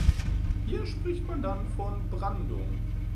Hier spricht man dann von Brandung.